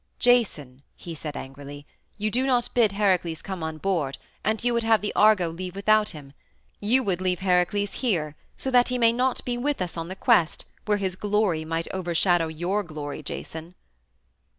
"Jason," he said angrily, "you do not bid Heracles come on board, and you would have the Argo leave without him. You would leave Heracles here so that he may not be with us on the quest where his glory might overshadow your glory, Jason."